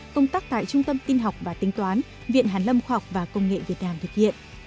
công tác tại trung tâm tin học và tính toán viện hàn lâm khoa học và công nghệ việt nam thực hiện